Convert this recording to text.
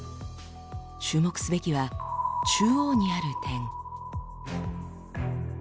注目すべきは中央にある点。